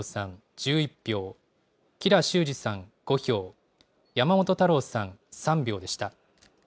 １１票、吉良州司さん５票、山本太郎さん３票でした。